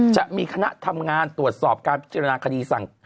จะมีคณะทำงานตรวจสอบการพิจารณาคดีสั่ง